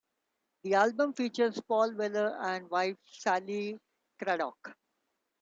The album features Paul Weller and wife Sally Cradock.